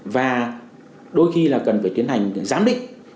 và đôi khi là cần phải tiến hành giám định